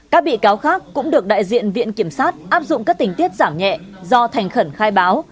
các bị cáo khác cũng được đại diện viện kiểm sát áp dụng các tình tiết giảm nhẹ do thành khẩn khai báo